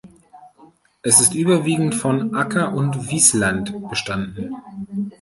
Es ist überwiegend von Acker- und Wiesland bestanden.